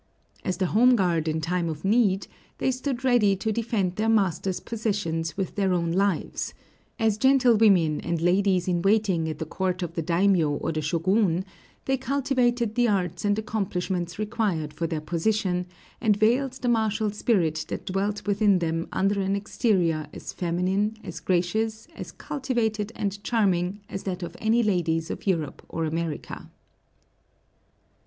As the home guard in time of need, they stood ready to defend their master's possessions with their own lives; as gentlewomen and ladies in waiting at the court of the daimiō or the Shōgun, they cultivated the arts and accomplishments required for their position, and veiled the martial spirit that dwelt within them under an exterior as feminine, as gracious, as cultivated and charming, as that of any ladies of Europe or America.